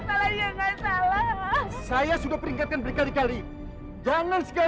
adanya gak pernah could bardi don't say